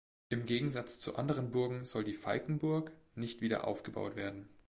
Im Gegensatz zu anderen Burgen soll die Falkenburg nicht wieder aufgebaut werden.